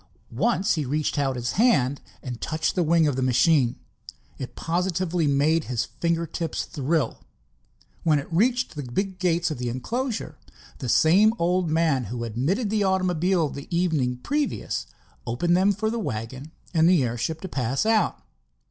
Once he reached out his hand and touched one wing of the machine. It positively made his finger tips thrill. When it reached the big gates of the enclosure, the same old man who had admitted the automobile the evening previous opened them for wagon and airship to pass out.